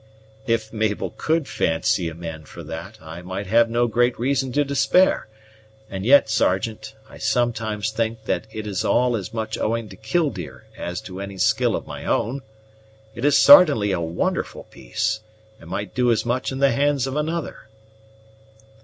"If Mabel could fancy a man for that, I might have no great reason to despair; and yet, Sergeant, I sometimes think that it is all as much owing to Killdeer as to any skill of my own. It is sartainly a wonderful piece, and might do as much in the hands of another."